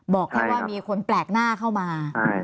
บอกแค่ว่ามีคนแปลกหน้าเข้ามา